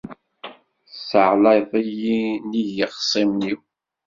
Tessaɛlayeḍ-iyi nnig yixṣimen-iw.